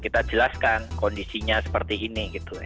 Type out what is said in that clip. kita jelaskan kondisinya seperti ini